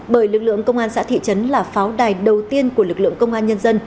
bởi lực lượng công an xã thị trấn là pháo đài đầu tiên của lực lượng công an